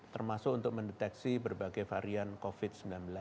termasuk untuk mendeteksi berbagai varian covid sembilan belas